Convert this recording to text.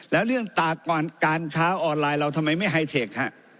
แล้วเรื่องตากรการค้าออนไลน์เราทำไมไม่ไฮเทค